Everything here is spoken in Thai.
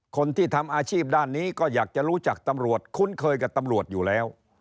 คนที่ทำอาชีพด้านนี้ก็อยากจะรู้จักตำรวจคุ้นเคยกับตำรวจอยู่แล้ว